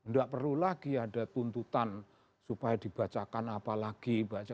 tidak perlu lagi ada tuntutan supaya dibacakan apa lagi